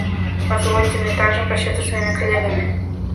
Позвольте мне также попрощаться с моими коллегами.